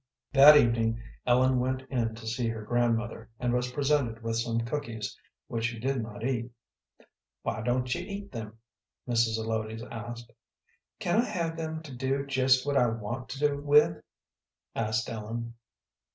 That evening Ellen went in to see her grandmother, and was presented with some cookies, which she did not eat. "Why don't you eat them?" Mrs. Zelotes asked. "Can I have them to do just what I want to with?" asked Ellen.